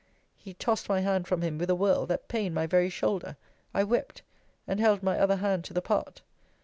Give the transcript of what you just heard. He tossed my hand from him with a whirl, that pained my very shoulder. I wept, and held my other hand to the part.